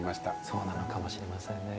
そうなのかもしれませんね。